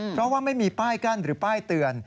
เพราะว่าไม่มีป้ายกั้นหรือป้ายเตือน